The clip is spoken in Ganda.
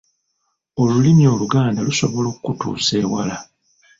Olulimi Oluganda lusobola okutuusa ewala.